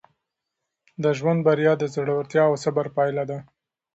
د ژوند بریا د زړورتیا او صبر پایله ده.